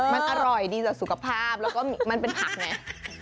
มันอร่อยดีต่อสุขภาพแล้วก็มันเป็นผักไง